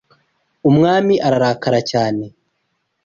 Umwami ararakara cyane